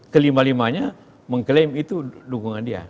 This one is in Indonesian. kelima limanya mengklaim itu dukungan dia